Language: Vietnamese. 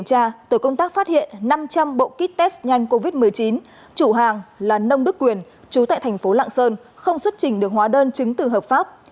tổ công tác phát hiện năm trăm linh bộ kit test nhanh covid một mươi chín chủ hàng là nông đức quyền chú tại thành phố lạng sơn không xuất trình được hóa đơn chứng từ hợp pháp